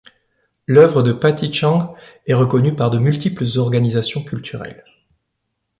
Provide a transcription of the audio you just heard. L'œuvre de Patty Chang est reconnue par de multiples organisations culturelles.